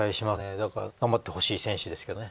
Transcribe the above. だから頑張ってほしい選手ですけどね。